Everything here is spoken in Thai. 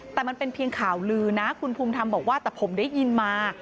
แต่มันเป็นเพียงข่าวลือนะคุณภูมิธรรมบอกว่าแต่ผมได้ยินมา